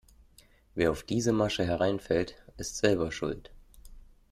Wer auf diese Masche hereinfällt, ist selber schuld.